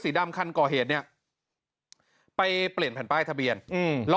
ดำคันก่อเหตุเนี้ยไปเปลี่ยนแผ่นป้ายทะเบียนอืมล้อ